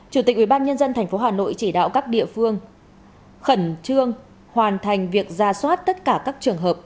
chủ tịch ubnd tp hà nội chỉ đạo các địa phương khẩn trương hoàn thành việc ra soát tất cả các trường hợp